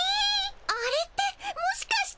あれってもしかして。